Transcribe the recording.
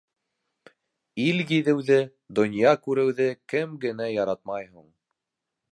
Ил гиҙеүҙе, донъя күреүҙе кем генә яратмай һуң?